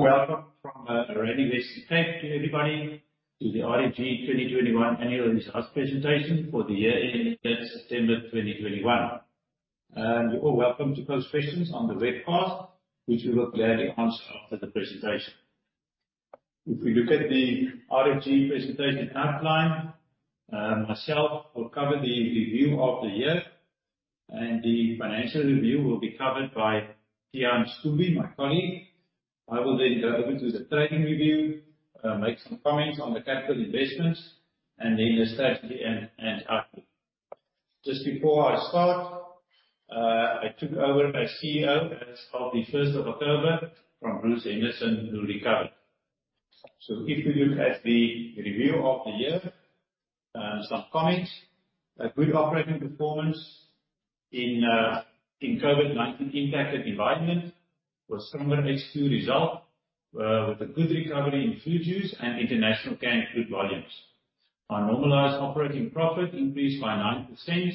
A warm welcome from rainy Western Cape to everybody to the RFG 2021 annual results presentation for the year ended September 2021. You're all welcome to pose questions on the webcast, which we will gladly answer after the presentation. If we look at the RFG presentation timeline, myself will cover the review of the year, and the financial review will be covered by Tiaan Schoombie, my colleague. I will then go over to the trading review, make some comments on the capital investments and then the strategy and outlook. Just before I start, I took over as CEO as of the first of October from Bruce Henderson, who recovered. If we look at the review of the year, some comments. A good operating performance in a COVID-19 impacted environment was a stronger H2 result with a good recovery in fruit juice and international canned food volumes. Our normalized operating profit increased by 9%.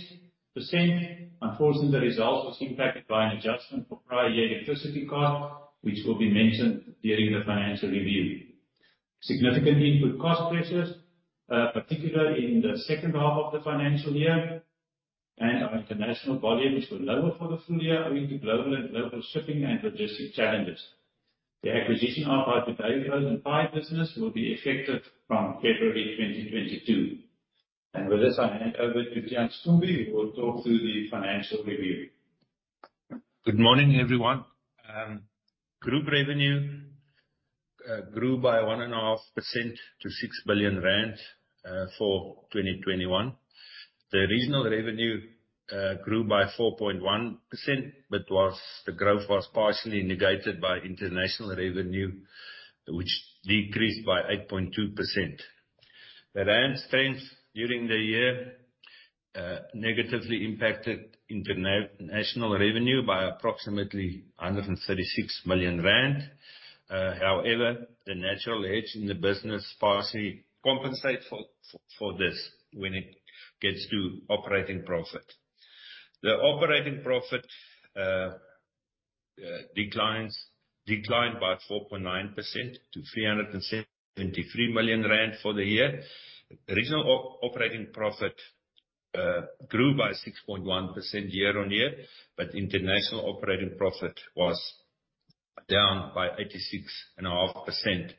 Unfortunately, the results was impacted by an adjustment for prior year electricity cost, which will be mentioned during the financial review. Significant input cost pressures, particularly in the second half of the financial year. Our international volumes were lower for the full year owing to global and local shipping and logistics challenges. The acquisition of our potato and pie business will be effective from February 2022. With this, I hand over to Tiaan Schoombie, who will talk through the financial review. Good morning, everyone. Group revenue grew by 1.5% to 6 billion rand for 2021. The regional revenue grew by 4.1%, but the growth was partially negated by international revenue, which decreased by 8.2%. The rand strength during the year negatively impacted international revenue by approximately 136 million rand. However, the natural hedge in the business partially compensate for this when it gets to operating profit. The operating profit declined by 4.9% to 373 million rand for the year. Regional operating profit grew by 6.1% year-on-year, but international operating profit was down by 86.5%,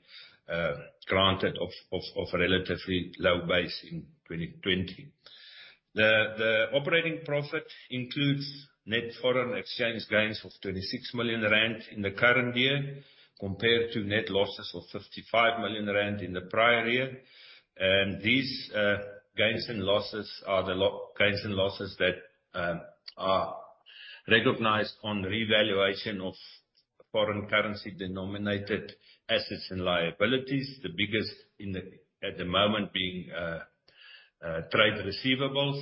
granted off a relatively low base in 2020. The operating profit includes net foreign exchange gains of 26 million rand in the current year compared to net losses of 55 million rand in the prior year. These gains and losses are the gains and losses that are recognized on revaluation of foreign currency denominated assets and liabilities. The biggest at the moment being trade receivables,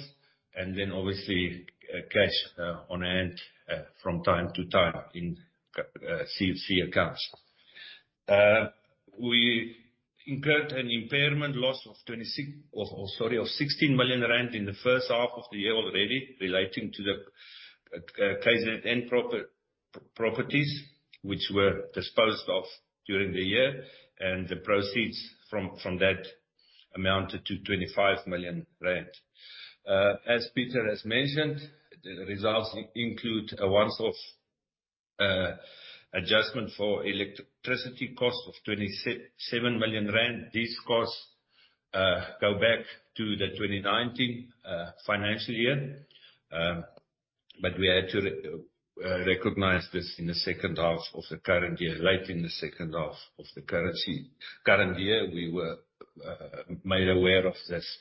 and then obviously cash on hand from time to time in CFC accounts. We incurred an impairment loss of 16 million rand in the first half of the year already relating to the KZN properties which were disposed of during the year. The proceeds from that amounted to 25 million rand. As Pieter has mentioned, the results include a once-off adjustment for electricity costs of 27 million rand. These costs go back to the 2019 financial year. We had to recognize this in the second half of the current year. Late in the second half of the current year, we were made aware of this.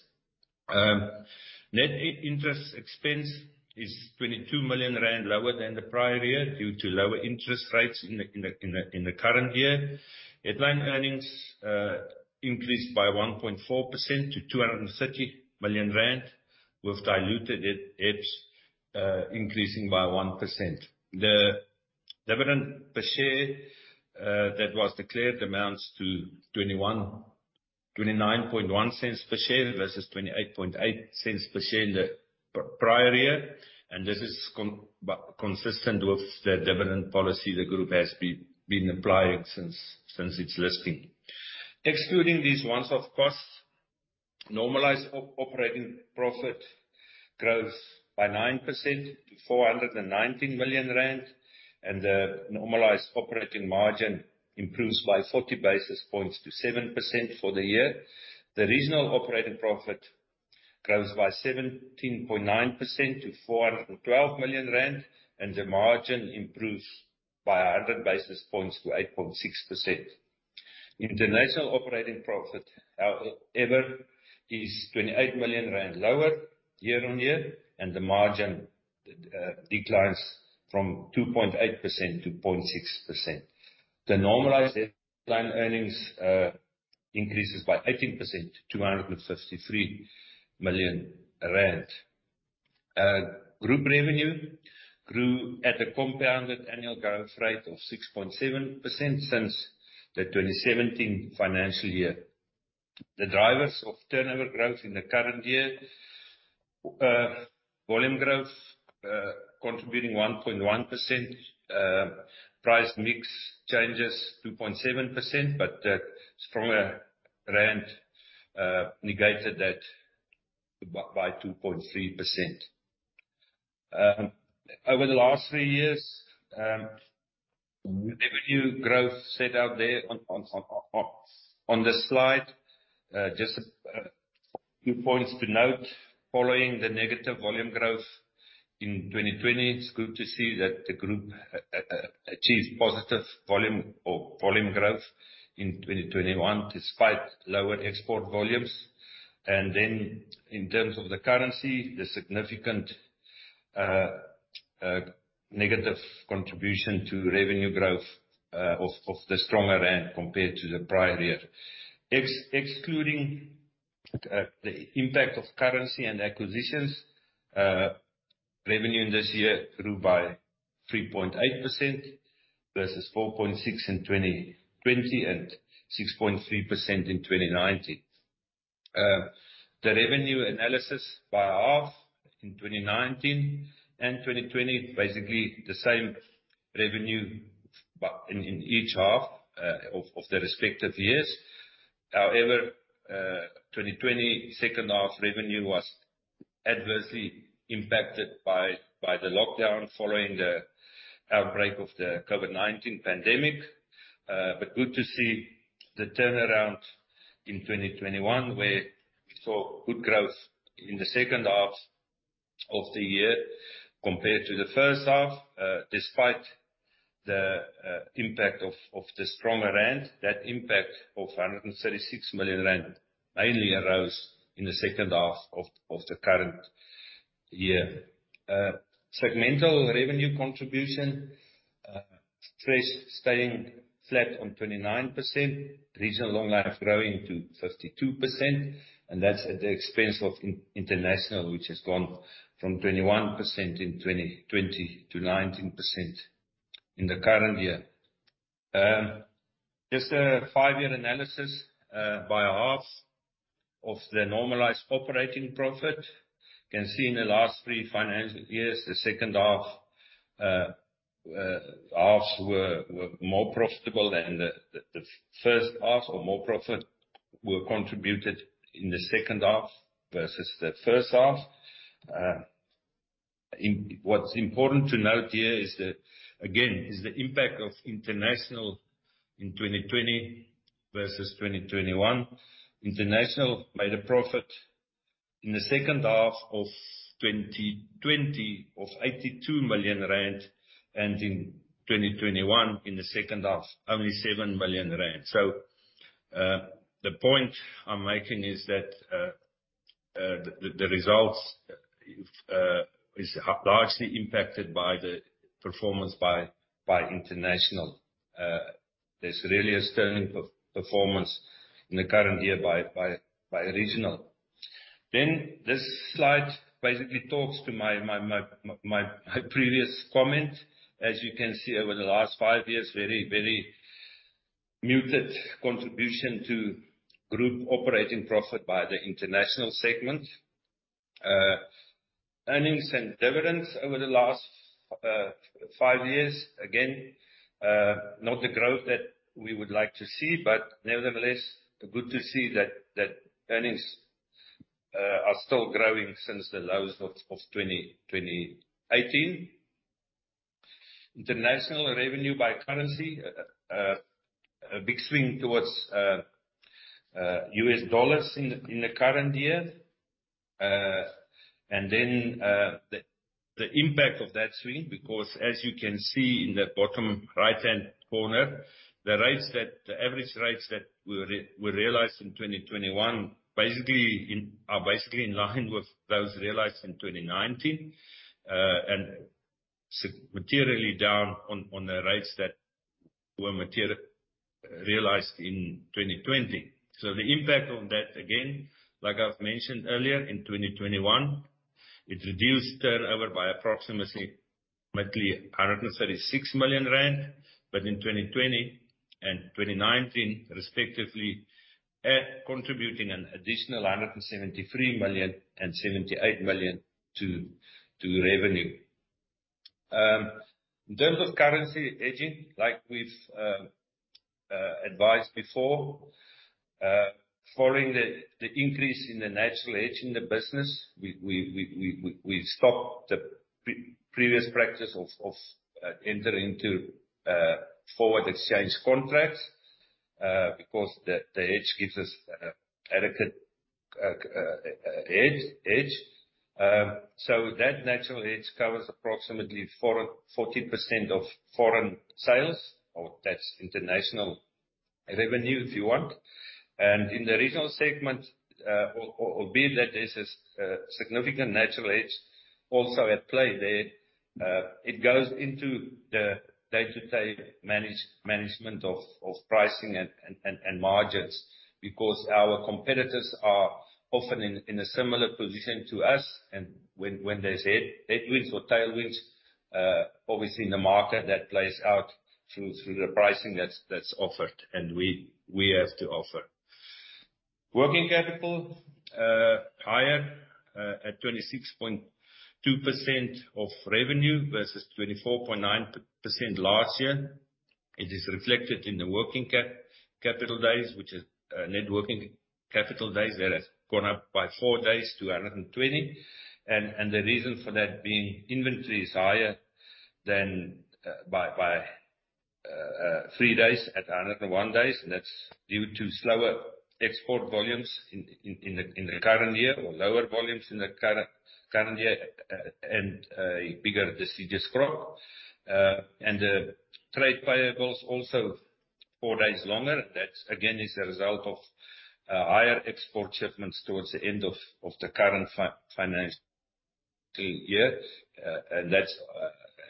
Net interest expense is 22 million rand lower than the prior year due to lower interest rates in the current year. Headline earnings increased by 1.4% to 230 million rand, with diluted EPS increasing by 1%. The dividend per share that was declared amounts to 0.291 versus 0.288 in the prior year. This is consistent with the dividend policy the group has been applying since its listing. Excluding these once-off costs, normalized operating profit grows by 9% to 419 million rand, and the normalized operating margin improves by 40 basis points to 7% for the year. The regional operating profit grows by 17.9% to 412 million rand, and the margin improves by 100 basis points to 8.6%. International operating profit, however, is 28 million rand lower year-on-year, and the margin declines from 2.8% to 0.6%. The normalized headline earnings increases by 18% to 253 million rand. Group revenue grew at a compounded annual growth rate of 6.7% since the 2017 financial year. The drivers of turnover growth in the current year, volume growth, contributing 1.1%. Price mix changes 2.7%, but a stronger rand negated that by 2.3%. Over the last 3 years, revenue growth set out there on this slide. Just a few points to note. Following the negative volume growth in 2020, it's good to see that the group achieved positive volume growth in 2021 despite lower export volumes. Then in terms of the currency, the significant negative contribution to revenue growth of the stronger rand compared to the prior year. Excluding the impact of currency and acquisitions, revenue in this year grew by 3.8% versus 4.6% in 2020 and 6.3% in 2019. The revenue analysis by half in 2019 and 2020, basically the same revenue but in each half of the respective years. However, 2020 second half revenue was adversely impacted by the lockdown following the outbreak of the COVID-19 pandemic. Good to see the turnaround in 2021, where we saw good growth in the second half of the year compared to the first half. Despite the impact of the stronger rand, that impact of 136 million rand mainly arose in the second half of the current year. Segmental revenue contribution, fresh staying flat on 29%, regional long-life growing to 52%, and that's at the expense of international, which has gone from 21% in 2020 to 19% in the current year. Just a five-year analysis by half of the normalized operating profit. You can see in the last three financial years, the second halves were more profitable than the first half or more profit were contributed in the second half versus the first half. What's important to note here is again is the impact of international in 2020 versus 2021. International made a profit in the second half of 2020 of 82 million rand, and in 2021, in the second half, only 7 million rand. The point I'm making is that the results is largely impacted by the performance of international. There's really a sterling performance in the current year of regional. This slide basically talks to my previous comment. As you can see, over the last five years, very muted contribution to group operating profit by the international segment. Earnings and dividends over the last five years, again, not the growth that we would like to see. Nevertheless, good to see that earnings are still growing since the lows of 2018. International revenue by currency. A big swing towards US dollars in the current year. Then the impact of that swing, because as you can see in the bottom right-hand corner, the average rates that we realized in 2021 are basically in line with those realized in 2019. And materially down on the rates that were realized in 2020. The impact of that, again, like I've mentioned earlier, in 2021, it reduced turnover by approximately 136 million rand. In 2020 and 2019 respectively, contributing an additional 173 million and 78 million to revenue. In terms of currency hedging, like we've advised before, following the increase in the natural hedge in the business, we stopped the previous practice of entering into forward exchange contracts, because the hedge gives us adequate hedge. That natural hedge covers approximately 40% of foreign sales or that's international revenue, if you want. In the regional segment, albeit that there's a significant natural hedge also at play there. It goes into the day-to-day management of pricing and margins, because our competitors are often in a similar position to us. When there's headwinds or tailwinds, obviously in the market that plays out through the pricing that's offered and we have to offer. Working capital higher at 26.2% of revenue versus 24.9% last year. It is reflected in the working capital days, which is net working capital days that have gone up by four days to 120. The reason for that being inventory is higher by three days at 101 days. That's due to slower export volumes in the current year or lower volumes in the current year and bigger deciduous crop. The trade payables are also four days longer. That again is a result of higher export shipments towards the end of the current financial year. That's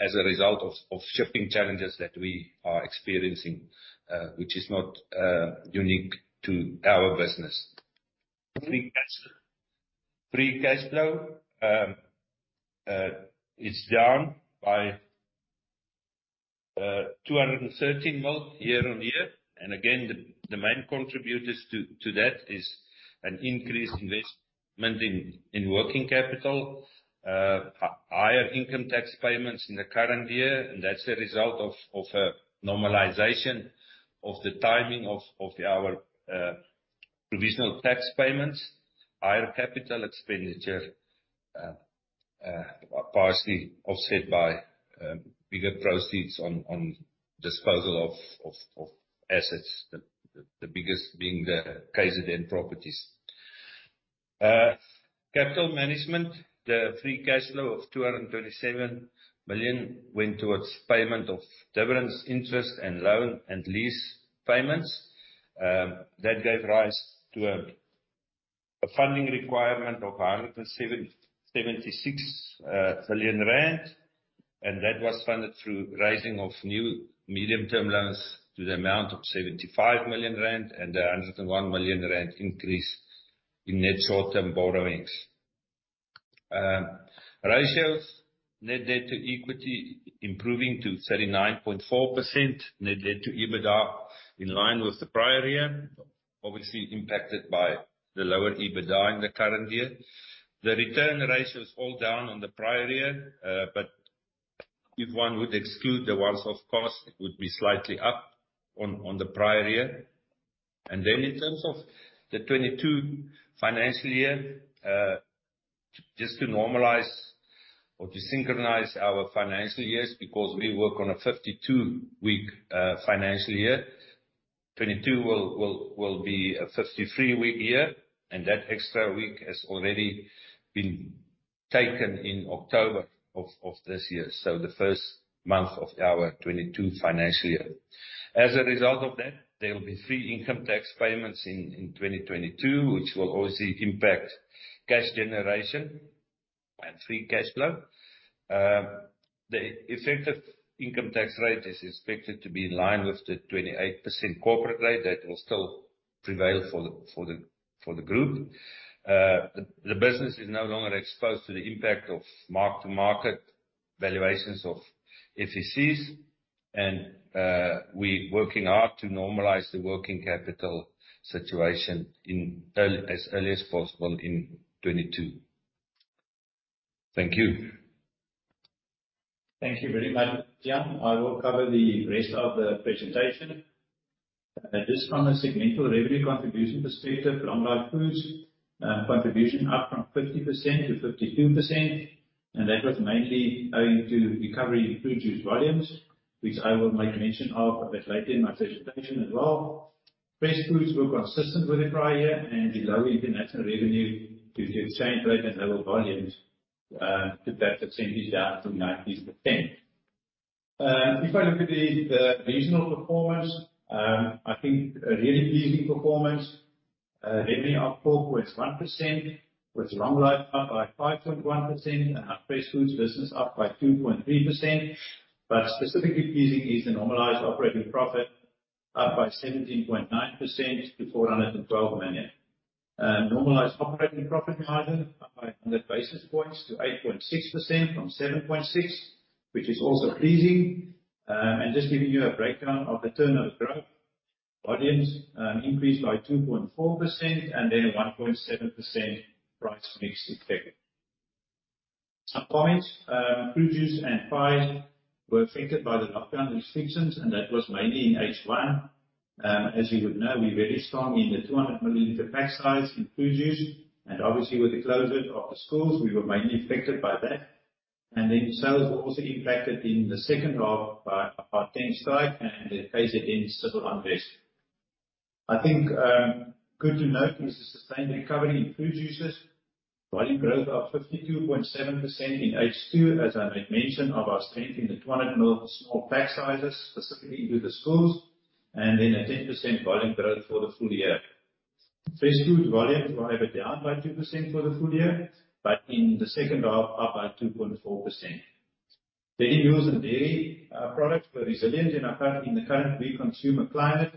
as a result of shipping challenges that we are experiencing, which is not unique to our business. Free cash flow is down by ZAR 213 million year-on-year. Again, the main contributors to that is an increased investment in working capital. Higher income tax payments in the current year, and that's a result of a normalization of the timing of our provisional tax payments. Higher capital expenditure partially offset by bigger proceeds on disposal of assets. The biggest being the KZN properties. Capital management. The free cash flow of 227 million went towards payment of dividends, interest and loan and lease payments. That gave rise to a funding requirement of 76 million rand. That was funded through raising of new medium-term loans to the amount of 75 million rand and 101 million rand increase in net short-term borrowings. Ratios. Net debt to equity improving to 39.4%. Net debt to EBITDA in line with the prior year, obviously impacted by the lower EBITDA in the current year. The return ratios all down on the prior year. If one would exclude the one-off cost, it would be slightly up on the prior year. In terms of the 2022 financial year, just to normalize or to synchronize our financial years because we work on a 52-week financial year. 2022 will be a 53-week year, and that extra week has already been taken in October of this year, the first month of our 2022 financial year. As a result of that, there will be three income tax payments in 2022, which will obviously impact cash generation and free cash flow. The effective income tax rate is expected to be in line with the 28% corporate rate that will still prevail for the group. The business is no longer exposed to the impact of mark-to-market valuations of FECs. We're working hard to normalize the working capital situation as early as possible in 2022. Thank you. Thank you very much, Tiaan. I will cover the rest of the presentation. Just from a segmental revenue contribution perspective, Long Life Foods contribution up from 50% to 52%, and that was mainly owing to recovery in fruit juice volumes, which I will make mention of a bit later in my presentation as well. Fresh Foods were consistent with the prior year and the lower international revenue due to exchange rate and lower volumes took that percentage down to 90%. If I look at the regional performance, I think a really pleasing performance. Revenue up 4.1%, with Long Life up by 5.1% and our Fresh Foods business up by 2.3%. Specifically pleasing is the normalized operating profit, up by 17.9% to 412 million. Normalized operating profit margin up by 100 basis points to 8.6% from 7.6%, which is also pleasing. Just giving you a breakdown of the turnover growth. Volumes increased by 2.4% and then a 1.7% price mix effect. Fruit juice and pies were affected by the lockdown restrictions, and that was mainly in H1. As you would know, we're very strong in the 200 ml pack size in fruit juice. Obviously with the closure of the schools, we were mainly affected by that. Sales were also impacted in the second half by Transnet strike and the KZN civil unrest. I think good to note is the sustained recovery in fruit juices. Volume growth up 52.7% in H2, as I made mention of our strength in the 200 ml small pack sizes, specifically into the schools. Then a 10% volume growth for the full year. Fresh Foods volumes were however down by 2% for the full year. In the second half, up by 2.4%. Dairy meals and dairy products were resilient in the current weak consumer climate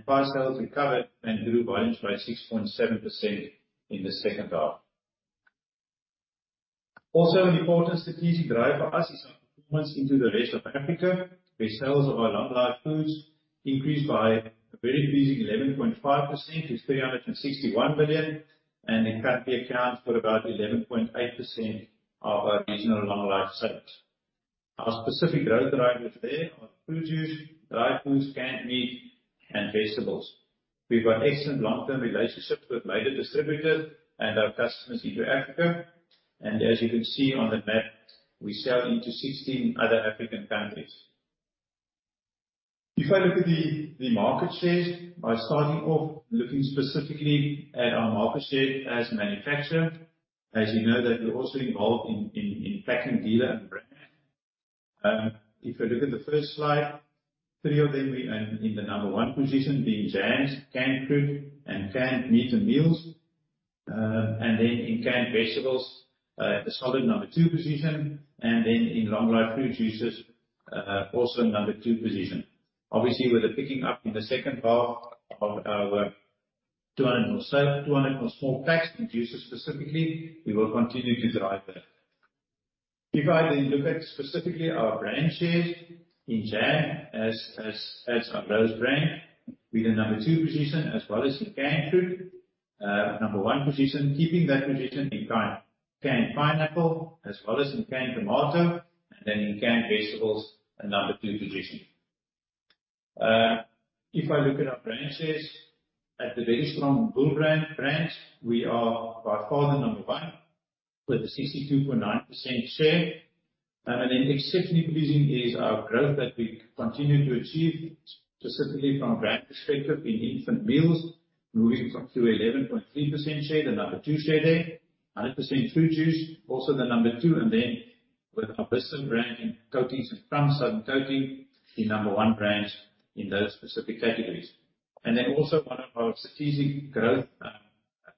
and pie sales recovered and grew volumes by 6.7% in the second half. Also an important strategic drive for us is our performance into the rest of Africa, where sales of our Long Life Foods increased by a very pleasing 11.5% to 361 million, and it currently accounts for about 11.8% of our regional Long Life sales. Our specific growth drivers there are fruit juice, dried foods, canned meat, and vegetables. We've got excellent long-term relationships with major distributors and our customers into Africa. As you can see on the map, we sell into 16 other African countries. If I look at the market shares by starting off looking specifically at our market share as manufacturer. As you know that we're also involved in pack and dealer and brand. If you look at the first slide, three of them we are in the number one position, being jams, canned fruit, and canned meat and meals. And then in canned vegetables, a solid number two position, and then in Long Life fruit juices, also number two position. Obviously, with the picking up in the second half of our 200 million sales, 200 million small packs in juices specifically, we will continue to drive that. If I then look at specifically our brand shares in jams, as our Rhodes brand, we're the No. one position as well as in canned fruit, number one position, keeping that position in canned pineapple as well as in canned tomato, and then in canned vegetables a No. two position. If I look at our brand shares at the very strong Bull Brand, we are by far the No. 1 with a 62.9% share. And then exceptionally pleasing is our growth that we continue to achieve specifically from a brand perspective in infant meals, moving to 11.3% share, the No. two share there. 100% fruit juice, also the number two, and then with our Bisto brand in coatings and Southern Coating, the number one brands in those specific categories. Also one of our strategic growth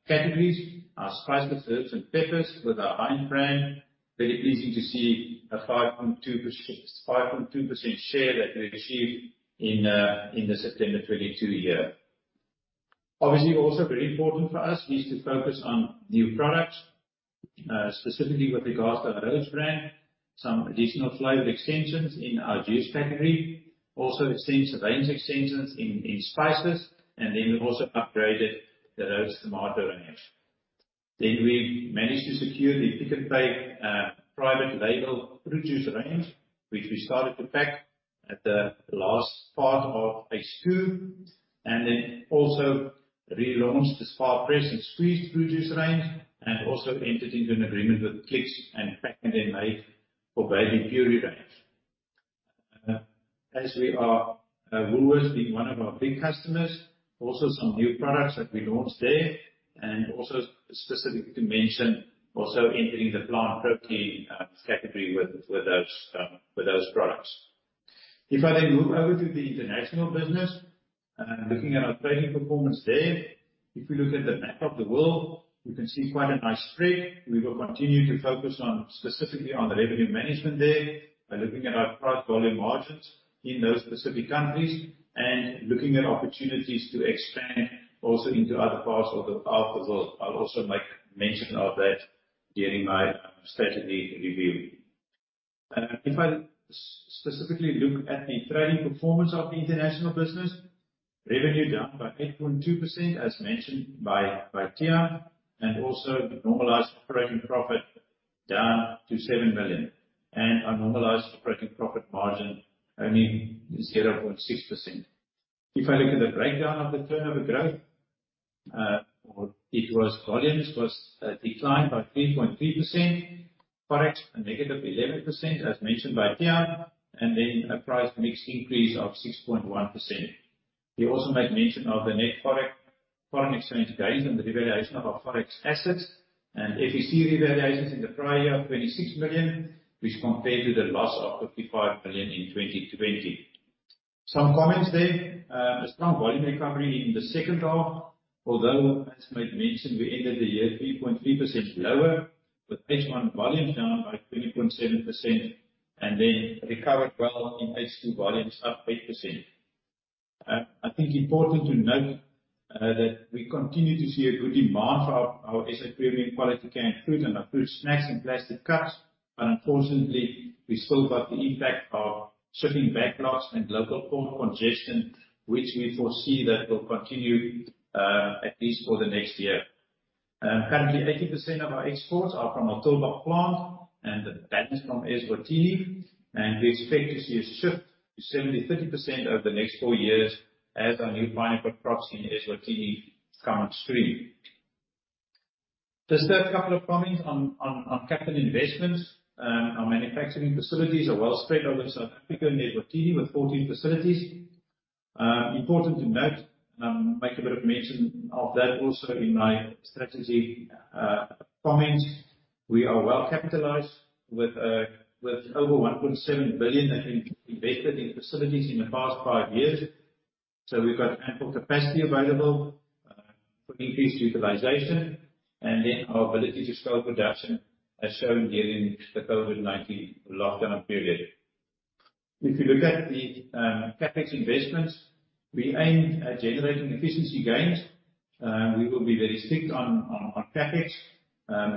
categories, our spices, herbs, and peppers with our Hinds brand. Very pleasing to see a 5.2% share that we achieved in the September 2022 year. Obviously, also very important for us is to focus on new products, specifically with regards to our Rhodes brand, some additional flavored extensions in our juice category, also extensive range extensions in spices, and then we've also upgraded the Rhodes tomato range. We've managed to secure the Pick n Pay private label fruit juice range, which we started to pack at the last part of H2, and also relaunched the SPAR Pressed and Squeezed fruit juice range, and also entered into an agreement with Clicks to pack and label for baby puree range. As Woolworths is one of our big customers, we also launched some new products there, and specifically to mention entering the plant protein category with those products. If I move over to the international business, looking at our trading performance there, if we look at the map of the world, you can see quite a nice spread. We will continue to focus specifically on the revenue management there by looking at our price volume margins in those specific countries and looking at opportunities to expand also into other parts of the world. I'll also make mention of that during my strategy review. If I specifically look at the trading performance of the international business, revenue down by 8.2% as mentioned by Tia, and also normalized operating profit down to 7 million. Our normalized operating profit margin only 0.6%. If I look at the breakdown of the turnover growth, volumes declined by 3.3%, Forex a negative 11% as mentioned by Tiaan, and then a price mix increase of 6.1%. We also made mention of the net Forex, foreign exchange gains and the revaluation of our Forex assets and FEC revaluations in the prior year of 26 million, which compared to the loss of 55 million in 2020. Some comments there. A strong volume recovery in the second half. As I made mention, we ended the year 3.3% lower, with H1 volumes down by 20.7% and then recovered well in H2 volumes up 8%. I think important to note that we continue to see a good demand for our SA premium quality canned fruit and our fruit snacks in plastic cups, but unfortunately, we've still got the impact of shipping backlogs and global port congestion, which we foresee that will continue, at least for the next year. Currently 80% of our exports are from our Tulbagh plant and the balance from Eswatini, and we expect to see a shift to 70%-30% over the next four years as our new pineapple crops in Eswatini come on stream. Just a couple of comments on capital investments. Our manufacturing facilities are well spread over South Africa and Eswatini with 14 facilities. Important to note, and I'll make a bit of mention of that also in my strategy comments. We are well capitalized with over 1.7 billion that we've invested in facilities in the past 5 years. So we've got ample capacity available for increased utilization and then our ability to scale production as shown during the COVID-19 lockdown period. If you look at the CapEx investments, we aimed at generating efficiency gains. We will be very strict on CapEx,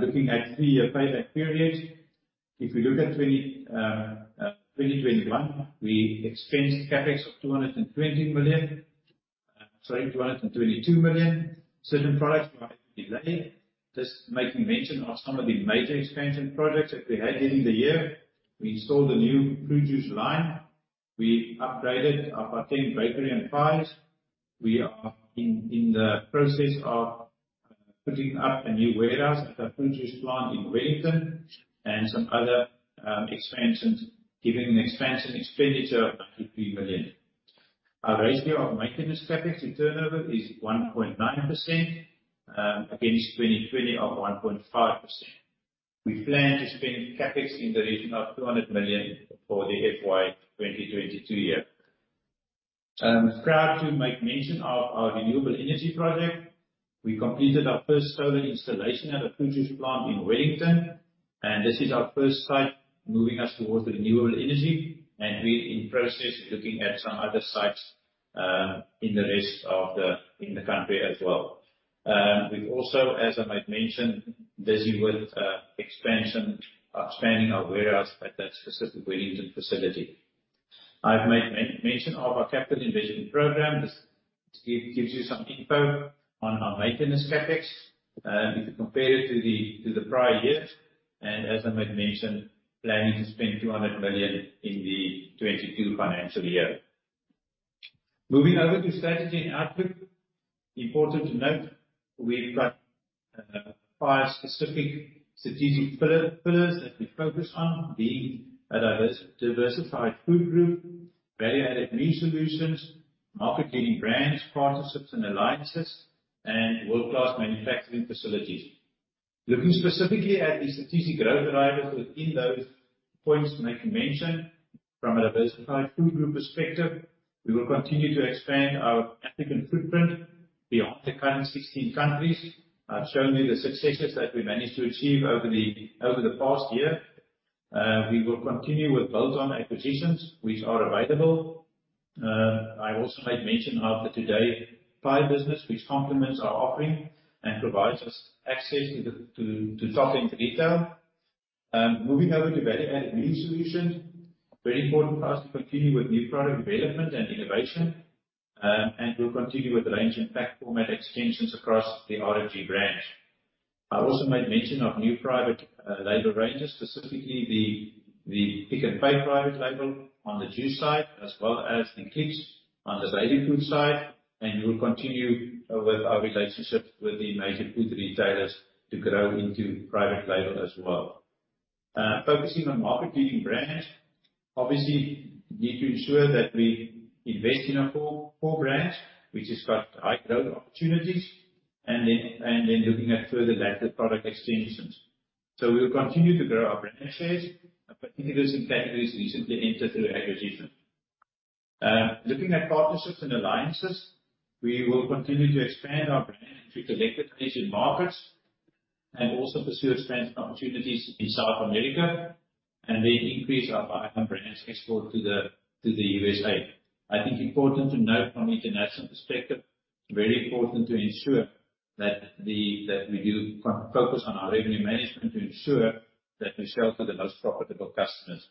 looking at three-year payback periods. If we look at 2021, we expensed CapEx of 222 million. Certain products were delayed. Just making mention of some of the major expansion projects that we had during the year. We installed a new fruit juice line. We upgraded our Paarl bakery and pies. We are in the process of putting up a new warehouse at our fruit juice plant in Wellington and some other expansions, giving an expansion expenditure of 93 million. Our ratio of maintenance CapEx to turnover is 1.9%, against 2020 of 1.5%. We plan to spend CapEx in the region of 200 million for the FY 2022 year. I'm proud to make mention of our renewable energy project. We completed our first solar installation at a fruit juice plant in Wellington, and this is our first site moving us towards renewable energy, and we're in process of looking at some other sites in the rest of the country as well. We've also, as I made mention, busy with expansion, expanding our warehouse at that specific Wellington facility. I've made mention of our capital investment program. This gives you some info on our maintenance CapEx, if you compare it to the prior years, and as I made mention, planning to spend 200 million in the 2022 financial year. Moving over to strategy and outlook. Important to note, we've got five specific strategic pillars that we focus on, being a diversified food group, value-added meat solutions, market-leading brands, partnerships and alliances, and world-class manufacturing facilities. Looking specifically at the strategic growth drivers within those points I make mention, from a diversified food group perspective, we will continue to expand our African footprint beyond the current 16 countries. I've shown you the successes that we managed to achieve over the past year. We will continue with bolt-on acquisitions which are available. I also made mention of the Today pie business which complements our offering and provides us access to top-end retail. Moving over to value-added meat solutions. Very important for us to continue with new product development and innovation, and we'll continue with range and pack format extensions across the RFG brands. I also made mention of new private label ranges, specifically the Pick n Pay private label on the juice side, as well as the Clicks on the baby food side, and we'll continue with our relationships with the major food retailers to grow into private label as well. Focusing on market-leading brands, obviously need to ensure that we invest in our core brands, which has got high growth opportunities, and then looking at further lateral product extensions. We'll continue to grow our brand shares, particularly in categories we recently entered through acquisition. Looking at partnerships and alliances, we will continue to expand our brand into selected Asian markets and also pursue expansion opportunities in South America, and then increase our value brand export to the USA. I think it's important to note from international perspective, very important to ensure that we do focus on our revenue management to ensure that we sell to the most profitable customers.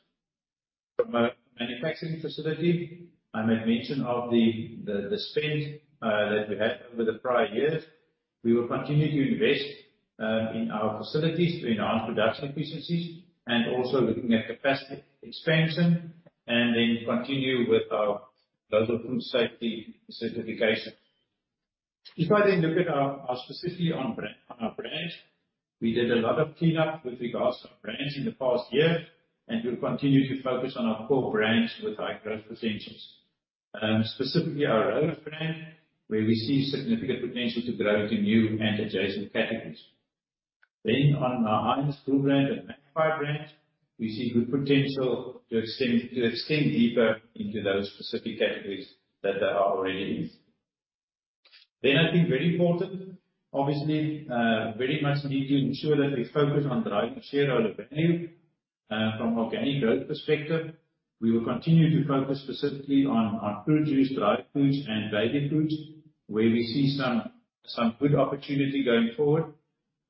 From a manufacturing facility, I made mention of the spend that we had over the prior years. We will continue to invest in our facilities to enhance production efficiencies and also looking at capacity expansion, and then continue with our global food safety certification. If I then look at our specifically on brand, on our brands, we did a lot of cleanup with regards to our brands in the past year, and we'll continue to focus on our core brands with high growth potentials. Specifically our Own brand, where we see significant potential to grow to new and adjacent categories. On our Hinds Food brand and Magpie brand, we see good potential to extend deeper into those specific categories that they are already in. I think very important, obviously, very much need to ensure that we focus on driving shareholder value from organic growth perspective. We will continue to focus specifically on our fruit juice, dried foods, and baby foods, where we see some good opportunity going forward.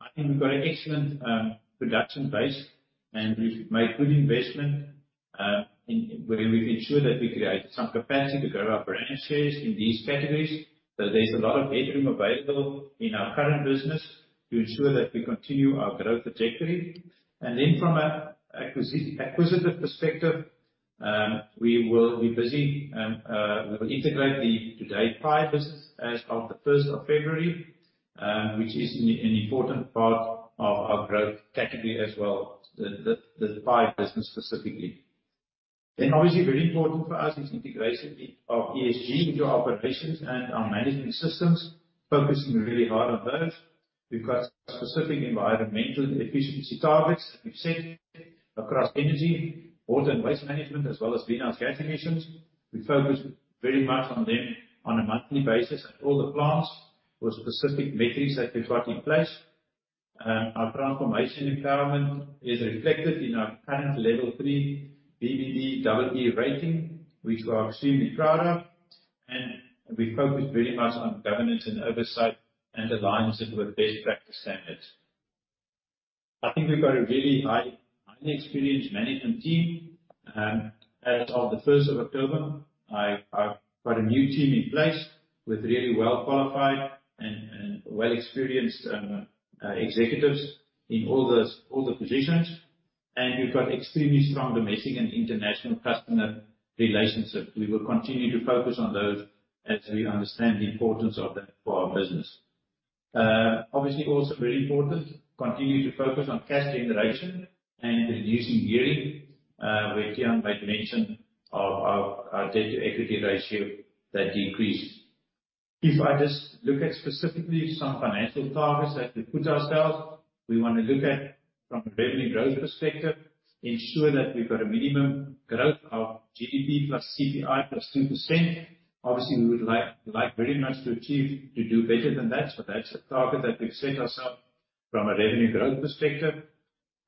I think we've got an excellent production base, and we've made good investment in where we've ensured that we create some capacity to grow our brand shares in these categories. There's a lot of headroom available in our current business to ensure that we continue our growth trajectory. From a acquisition perspective, we will be busy, we will integrate the Today pie business as of the first of February, which is an important part of our growth category as well, the pie business specifically. Obviously very important for us is integration of ESG into our operations and our management systems, focusing really hard on those. We've got specific environmental efficiency targets that we've set across energy, water and waste management, as well as greenhouse gas emissions. We focus very much on them on a monthly basis at all the plants with specific metrics that we've got in place. Our transformation empowerment is reflected in our current level three B-BBEE rating, which we are extremely proud of, and we focus very much on governance and oversight and aligns it with best practice standards. I think we've got a really highly experienced management team. As of the first of October, I've got a new team in place with really well-qualified and well-experienced executives in all the positions, and we've got extremely strong domestic and international customer relationships. We will continue to focus on those as we understand the importance of that for our business. Obviously, also very important to continue to focus on cash generation and reducing gearing, where Tiaan made mention of our debt-to-equity ratio that decreased. If I just look at specifically some financial targets that we put ourselves, we want to look at from a revenue growth perspective to ensure that we've got a minimum growth of GDP plus CPI plus 2%. Obviously, we would like like very much to achieve to do better than that, but that's a target that we've set ourself from a revenue growth perspective.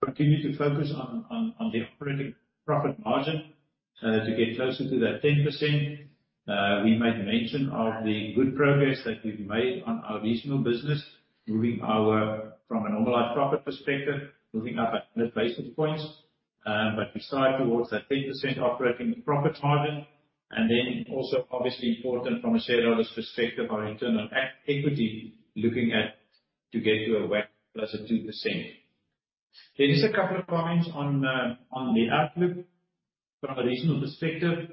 Continue to focus on the operating profit margin to get closer to that 10%. We made mention of the good progress that we've made on our regional business, from a normalized profit perspective, moving up at 100 basis points, but we strive towards that 10% operating profit margin. Then also obviously important from a shareholder's perspective, our internal equity, looking at to get to a WACC plus 2%. There is a couple of comments on the outlook. From a regional perspective,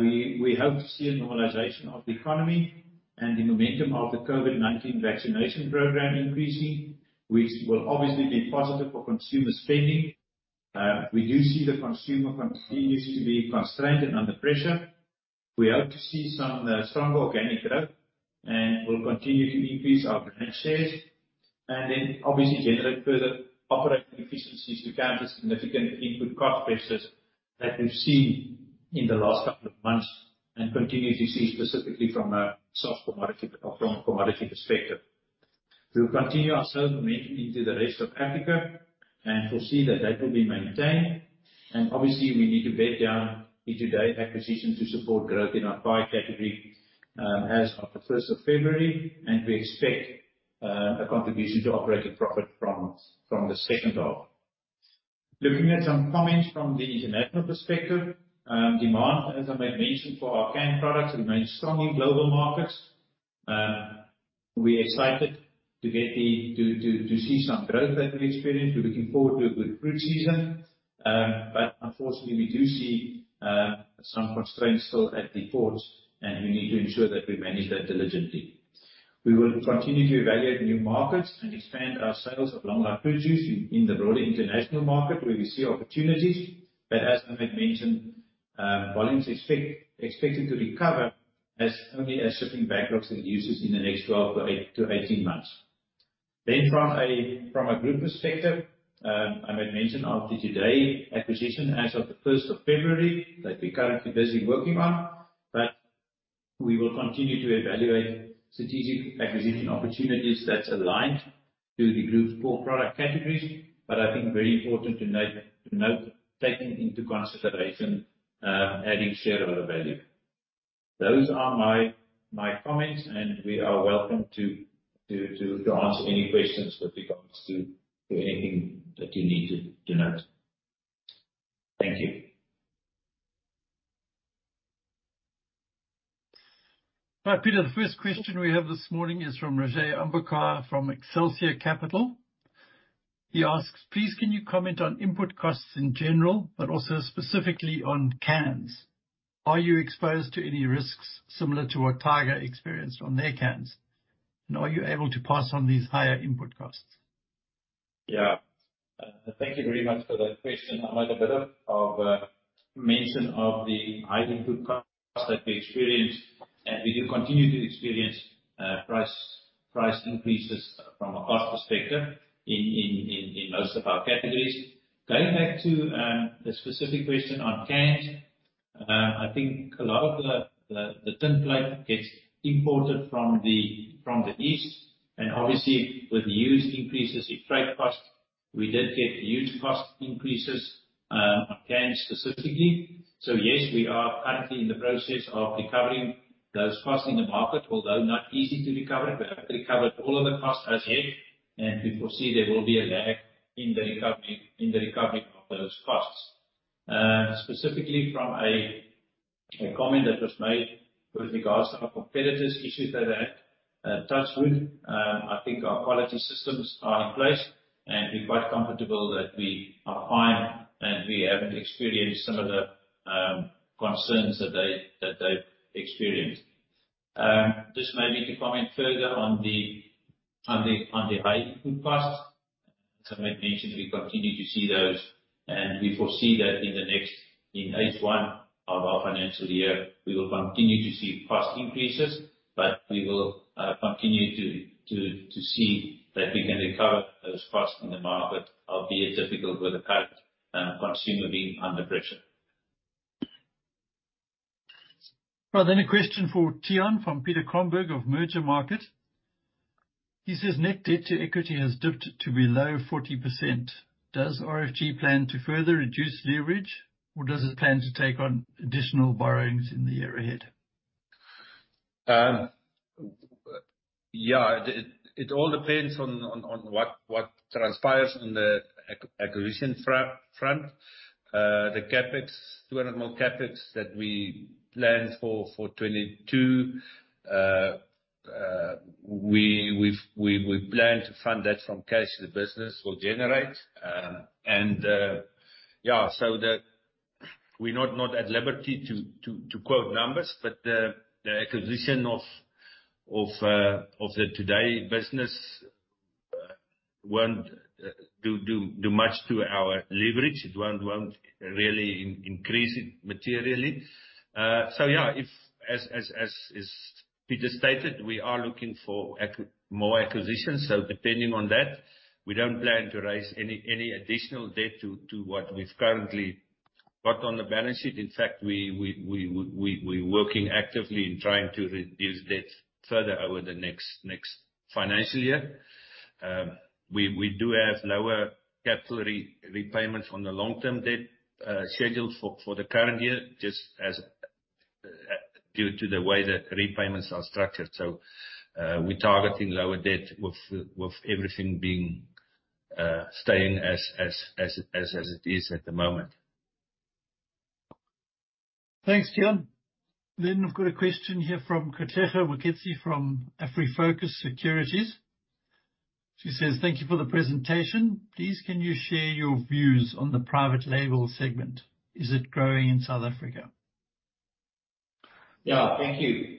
we hope to see a normalization of the economy and the momentum of the COVID-19 vaccination program increasing, which will obviously be positive for consumer spending. We do see the consumer continues to be constrained and under pressure. We hope to see some strong organic growth, and we'll continue to increase our brand shares and then obviously generate further operating efficiencies to counter significant input cost pressures that we've seen in the last couple of months and continue to see specifically from a soft commodity or from a commodity perspective. We'll continue our slow movement into the rest of Africa, and we'll see that will be maintained. Obviously we need to bed down the Today acquisition to support growth in our savory category as of the first of February, and we expect a contribution to operating profit from the second half. Looking at some comments from the international perspective, demand, as I made mention, for our canned products remains strong in global markets. We're excited to see some growth that we experienced. We're looking forward to a good fruit season, but unfortunately we do see some constraints still at the ports, and we need to ensure that we manage that diligently. We will continue to evaluate new markets and expand our sales of Long Life produce in the broader international market where we see opportunities, but as I made mention, volumes expected to recover only as shipping backlogs reduces in the next 12-18 months. From a group perspective, I made mention of the Today acquisition as of the first of February that we're currently busy working on, but we will continue to evaluate strategic acquisition opportunities that's aligned to the group's core product categories. I think very important to note, taking into consideration adding shareholder value. Those are my comments, and we are welcome to answer any questions with regards to anything that you need to note. Thank you. Right. Pieter, the first question we have this morning is from Rajay Ambekar from Excelsior Capital. He asks, "Please can you comment on input costs in general, but also specifically on cans? Are you exposed to any risks similar to what Tiger experienced on their cans, and are you able to pass on these higher input costs? Yeah. Thank you very much for that question. I made a bit of mention of the high input costs that we experience, and we do continue to experience price increases from a cost perspective in most of our categories. Going back to the specific question on cans, I think a lot of the tin plate gets imported from the East, and obviously with huge increases in freight costs, we did get huge cost increases on cans specifically. Yes, we are currently in the process of recovering those costs in the market, although not easy to recover. We haven't recovered all of the costs as yet, and we foresee there will be a lag in the recovery of those costs. Specifically from a comment that was made with regards to our competitors' issues that they had touched on, I think our quality systems are in place, and we're quite comfortable that we are fine and we haven't experienced some of the concerns that they've experienced. Just maybe to comment further on the high input costs. As I made mention, we continue to see those, and we foresee that in the next H1 of our financial year, we will continue to see cost increases, but we will continue to see that we can recover those costs in the market, albeit difficult with the current consumer being under pressure. Well, a question for Tiaan from Peter Cromberge of Mergermarket. He says, "Net debt to equity has dipped to below 40%. Does RFG plan to further reduce leverage or does it plan to take on additional borrowings in the year ahead? It all depends on what transpires on the acquisition front. The CapEx, 200 more CapEx that we planned for 2022. We plan to fund that from cash the business will generate. We're not at liberty to quote numbers, but the acquisition of the Today business won't do much to our leverage. It won't really increase it materially. As Pieter stated, we are looking for more acquisitions. Depending on that, we don't plan to raise any additional debt to what we've currently got on the balance sheet. In fact, we working actively in trying to reduce debt further over the next financial year. We do have lower capital repayments on the long-term debt scheduled for the current year, just as due to the way that repayments are structured. We're targeting lower debt with everything being staying as it is at the moment. Thanks, Tiaan. I've got a question here from Katlego Waketsi from AfriFocus Securities. She says, "Thank you for the presentation. Please, can you share your views on the private label segment? Is it growing in South Africa? Yeah, thank you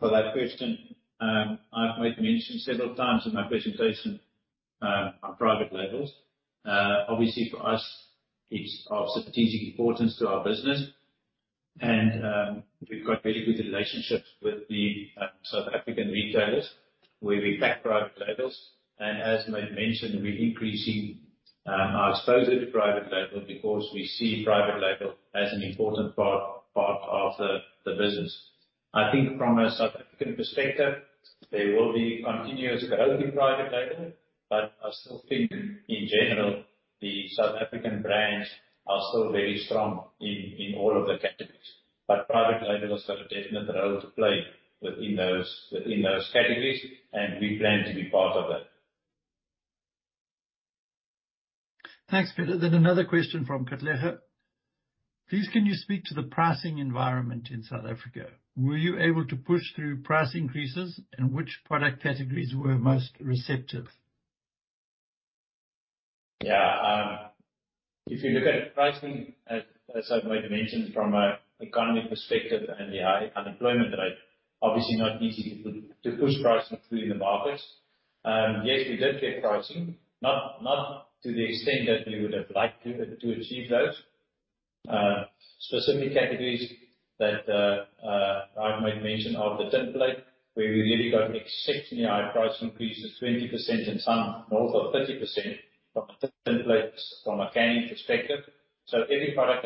for that question. I've made mention several times in my presentation on private labels. Obviously for us it's of strategic importance to our business. We've got very good relationships with the South African retailers where we pack private labels. As made mention, we're increasing our exposure to private label because we see private label as an important part of the business. I think from a South African perspective, there will be continuous growth in private label. I still think in general, the South African brands are still very strong in all of the categories. Private label has got a definite role to play within those categories, and we plan to be part of that. Thanks, Pieter. Another question from Katlego. "Please, can you speak to the pricing environment in South Africa? Were you able to push through price increases, and which product categories were most receptive? Yeah. If you look at pricing, as I've made mention from an economic perspective and the high unemployment rate, obviously not easy to push pricing through the markets. Yes, we did get pricing, not to the extent that we would have liked to achieve those. Specific categories that I've made mention of the tin plate, where we really got exceptionally high price increases, 20% in some, north of 30% from a tin plate, from a canning perspective. Every product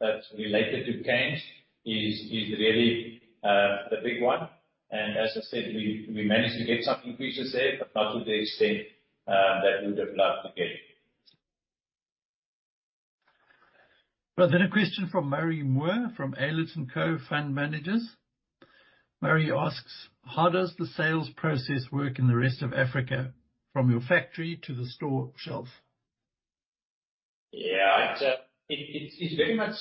that's related to cans is really the big one. As I said, we managed to get some increases there, but not to the extent that we would have loved to get. Well, a question from Marie Moore from Aylward & Co. FundManagers. Marie asks, "How does the sales process work in the rest of Africa, from your factory to the store shelf? Yeah. It's very much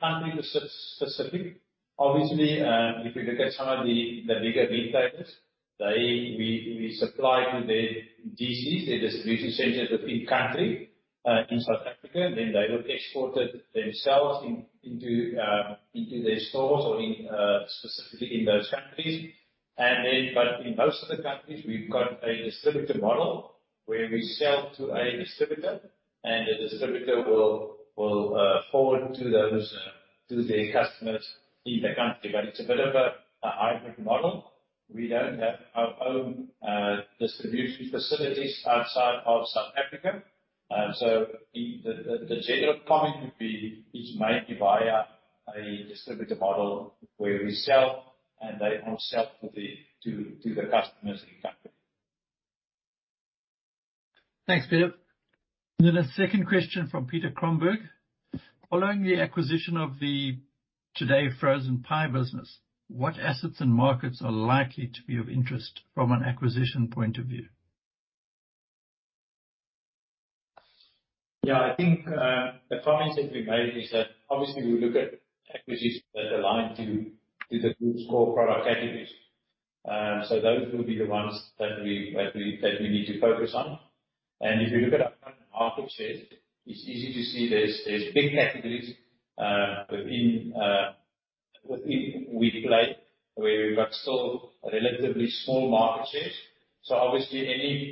country-specific. Obviously, if you look at some of the bigger retailers, we supply to their DCs, their distribution centers within country, in South Africa. Then they will export it themselves into their stores or in, specifically in those countries. In most of the countries we've got a distributor model where we sell to a distributor, and the distributor will forward to those, to their customers in the country. It's a bit of a hybrid model. We don't have our own distribution facilities outside of South Africa. So the general comment would be it's mainly via a distributor model where we sell and they on-sell to the customers in country. Thanks, Pieter. A second question from Pieter Kronberg: "Following the acquisition of the Today frozen pie business, what assets and markets are likely to be of interest from an acquisition point of view? Yeah, I think the comments that we made is that obviously we look at acquisitions that align to the group's core product categories. Those will be the ones that we need to focus on. If you look at our current market shares, it's easy to see there's big categories within which we play where we've got still relatively small market shares. Obviously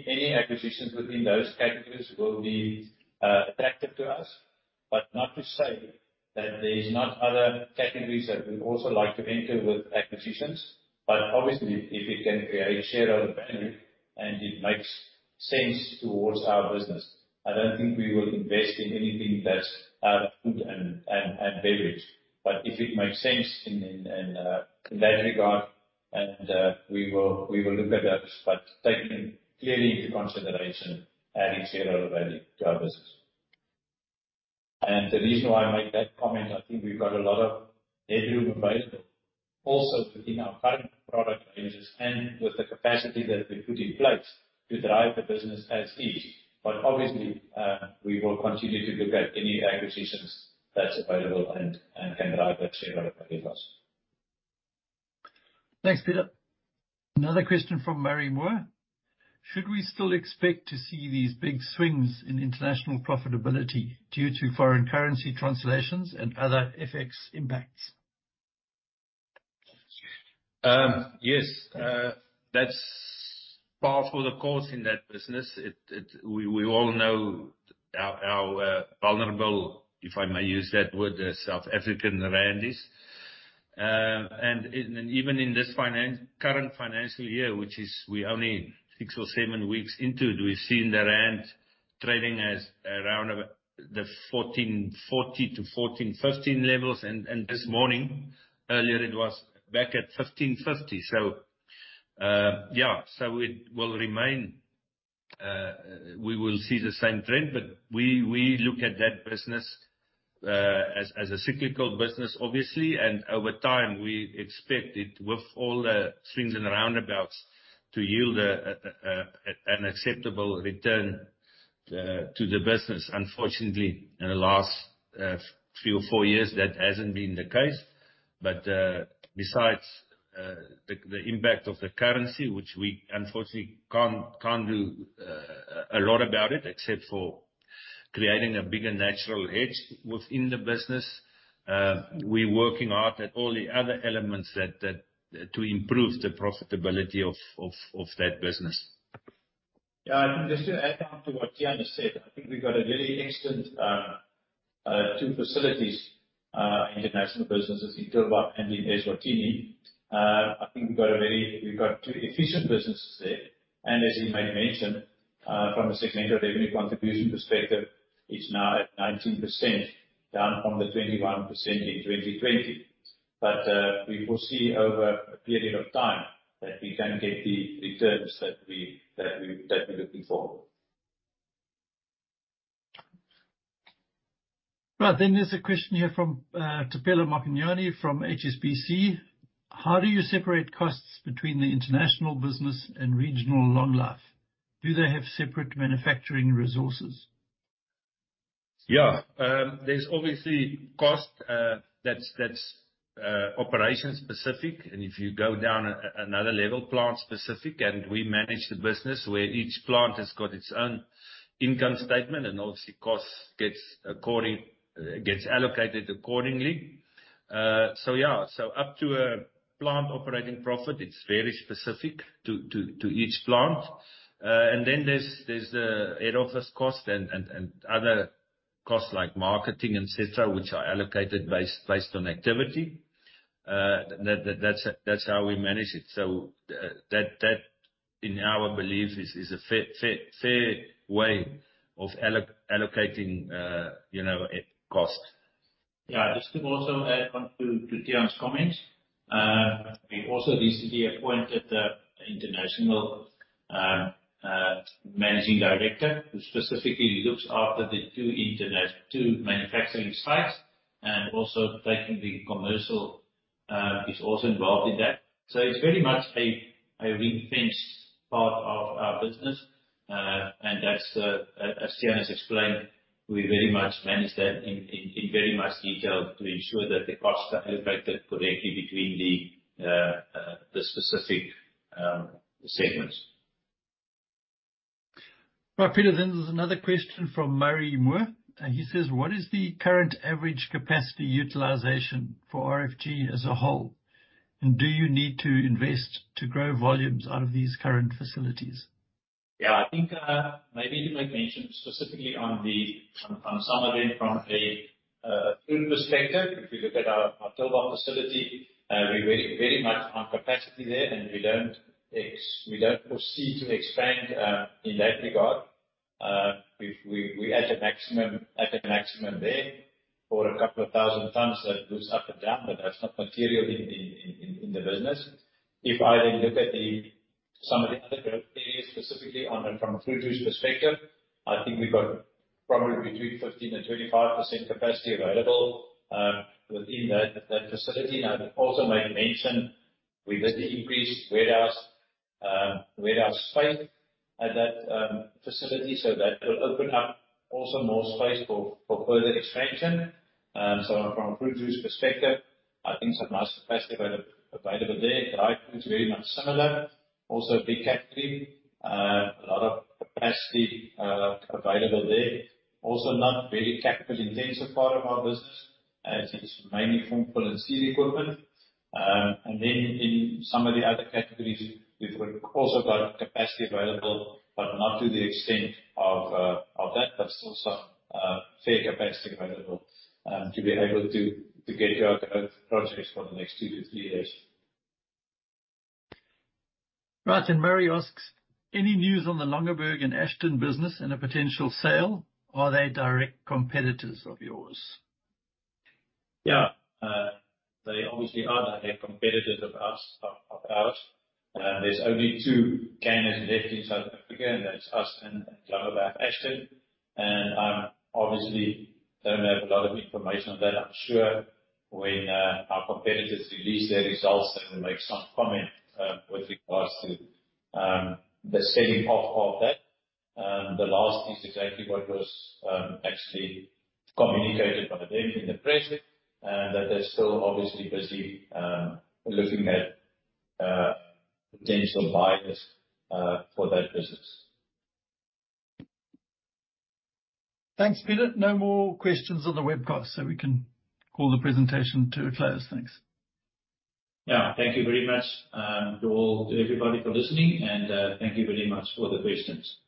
any acquisitions within those categories will be attractive to us. Not to say that there's not other categories that we'd also like to enter with acquisitions, but obviously if it can create shareholder value. It makes sense towards our business. I don't think we will invest in anything that's food and beverage, but if it makes sense in that regard, and we will look at that, but taking clearly into consideration adding shareholder value to our business. The reason why I make that comment, I think we've got a lot of headroom available also within our current product ranges and with the capacity that we put in place to drive the business as is. Obviously, we will continue to look at any acquisitions that's available and can drive that shareholder value for us. Thanks, Pieter. Another question from Marie Moore. Should we still expect to see these big swings in international profitability due to foreign currency translations and other FX impacts? Yes. That's par for the course in that business. We all know how vulnerable, if I may use that word, the South African rand is. Even in this current financial year, which we're only six or seven weeks into, we've seen the rand trading at around the 14.40-14.50 levels. This morning, earlier, it was back at 15.50. It will remain. We will see the same trend. We look at that business as a cyclical business, obviously. Over time, we expect it, with all the swings and roundabouts, to yield an acceptable return to the business. Unfortunately, in the last three or four years, that hasn't been the case. Besides the impact of the currency, which we unfortunately can't do a lot about it, except for creating a bigger natural hedge within the business, we're working hard at all the other elements that to improve the profitability of that business. Yeah. I think just to add on to what Tiaan has said, I think we've got a very excellent two facilities international businesses in Tulbagh and in Eswatini. I think we've got two efficient businesses there. As you may mention, from a segmental revenue contribution perspective, it's now at 19%, down from the 21% in 2020. We will see over a period of time that we can get the returns that we're looking for. Right. There's a question here from Tapela Makinyane from HSBC. How do you separate costs between the international business and regional Long Life? Do they have separate manufacturing resources? Yeah. There's obviously cost that's operation specific, and if you go down another level, plant specific. We manage the business where each plant has got its own income statement, and obviously costs gets allocated accordingly. Yeah. Up to a plant operating profit, it's very specific to each plant. There's the head office cost and other costs like marketing and et cetera, which are allocated based on activity. That's how we manage it. That in our belief is a fair way of allocating, you know, a cost. Yeah. Just to also add on to Tiaan's comments. We also recently appointed an international managing director who specifically looks after the two manufacturing sites. Also taking the commercial is also involved in that. It's very much a ring-fenced part of our business. As Tiaan has explained, we very much manage that in very much detail to ensure that the costs are allocated correctly between the specific segments. Right. Pieter, then there's another question from Marie Moore, and he says, "What is the current average capacity utilization for RFG as a whole? And do you need to invest to grow volumes out of these current facilities? Yeah. I think maybe you might mention specifically from some of them from a food perspective. If you look at our Tulbagh facility, we very much at capacity there, and we don't foresee to expand in that regard. We at a maximum there for a couple thousand tons. That moves up and down, but that's not material in the business. If I then look at some of the other growth areas, specifically from a fruit juice perspective, I think we've got probably between 15%-25% capacity available within that facility. Now, I also might mention we've had to increase warehouse space at that facility, so that will open up also more space for further expansion. From a fruit juice perspective, I think some nice capacity available there. Dried fruits, very much similar. Also, baked category, a lot of capacity available there. Also not very capital-intensive part of our business, as it's mainly from fill and seal equipment. In some of the other categories, we've also got capacity available, but not to the extent of that. Still some fair capacity available to be able to get our growth projects for the next two to three years. Right. Marie asks, "Any news on the Langeberg and Ashton business and a potential sale? Are they direct competitors of yours? Yeah. They obviously are direct competitors of ours. There's only two canners left in South Africa, and that's us and Langeberg and Ashton. Obviously we don't have a lot of information on that. I'm sure when our competitors release their results, they will make some comment with regards to the selling off of that. That is exactly what was actually communicated by them in the press, that they're still busy looking at potential buyers for that business. Thanks, Pieter. No more questions on the webcast, so we can call the presentation to a close. Thanks. Yeah. Thank you very much, to all, to everybody for listening, and thank you very much for the questions. Thank you.